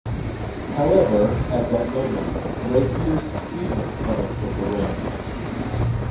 However, at that moment, Ray hears screaming coming from the ranch.